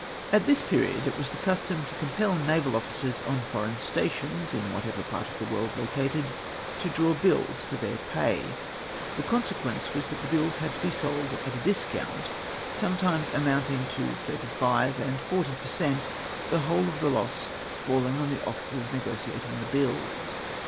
A t this period it was the custom to compel naval officers on foreign stations, m whatever part of the world located, to draw bills for their pay. The consequence was that the bills had to be sold at a discount some N 3 IS J INQUIRY IxVTO THE STATE OF THE NAVY. times amounting to 35 and 40 per cent, tlie whole of the loss falling on the officers negotiating the bills.